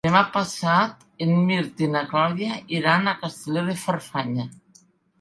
Demà passat en Mirt i na Clàudia iran a Castelló de Farfanya.